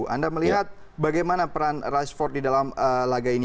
anda melihat bagaimana peran rashford di dalam laga ini